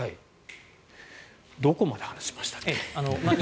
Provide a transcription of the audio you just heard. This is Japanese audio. どこまで話しましたっけ？